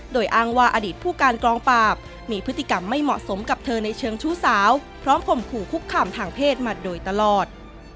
โดยอ้างว่าอดีตผู้การกองปราบมีพฤติกรรมไม่เหมาะสมกับเธอในเชิงชู้สาวพร้อมข่มขู่คุกคามทางเพศมาโดยตลอด